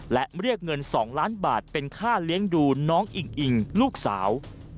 และเรียกเงิน๒ล้านบาทเป็นค่าเลี้ยงดูน้องอิงอิงลูกสาว